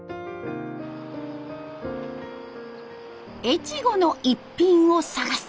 越後の逸品を探す。